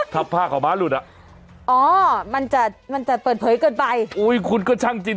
ถ้าผ้าขาวม้าหลุดอ่ะอ๋อมันจะมันจะเปิดเผยเกินไปอุ้ยคุณก็ช่างจริง